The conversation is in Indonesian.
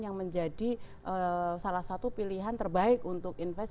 yang menjadi salah satu pilihan terbaik untuk investasi